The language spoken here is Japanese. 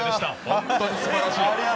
本当にすばらしい。